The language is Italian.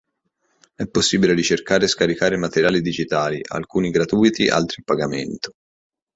È possibile ricercare e scaricare materiali digitali: alcuni gratuiti, altri a pagamento.